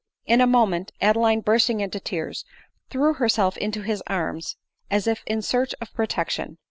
In a moment, Adeline bursting into tears, threw herself into his arms, as if in search of protection.